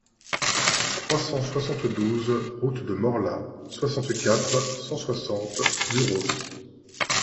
trois cent soixante-douze route de Morlaàs, soixante-quatre, cent soixante, Buros